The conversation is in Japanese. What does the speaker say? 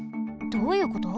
どういうこと？